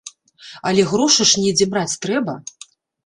Але грошы ж недзе браць трэба!